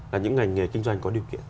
là những ngành nghề kinh doanh có điều kiện